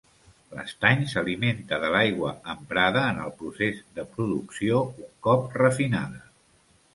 L'estany s'alimenta de l'aigua emprada en el procés de producció, un cop refinada.